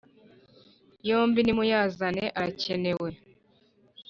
yombi nimuyazane arakenewe